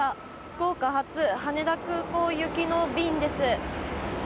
福岡発羽田空港行きの便です。